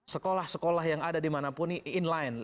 sekolah sekolah yang ada dimanapun ini in line